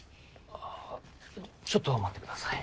あぁちょっと待ってください。